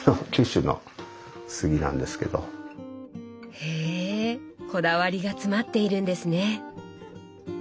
へえこだわりが詰まっているんですね。